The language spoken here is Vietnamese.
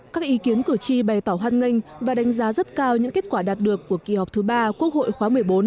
các ý kiến cử tri bày tỏ hoan nghênh và đánh giá rất cao những kết quả đạt được của kỳ họp thứ ba quốc hội khóa một mươi bốn